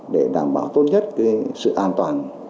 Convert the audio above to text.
để đảm bảo tốt nhất sự an toàn